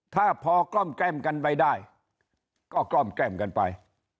ถ้าพอกล้อมแกล้มกันไปได้ก็กล้อมแกล้มกันไป